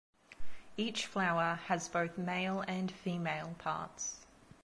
Each flower has both male and female parts.